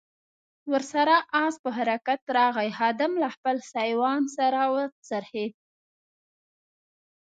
ور سره آس په حرکت راغی، خادم له خپل سایوان سره و څرخېد.